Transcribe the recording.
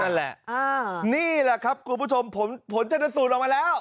นี่แหละนี่แหละครับคุณผู้ชมผลชนสูตรออกมาแล้ว